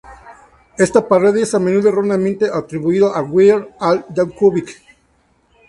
Esta parodia es a menudo erróneamente atribuido a "Weird Al" Yankovic.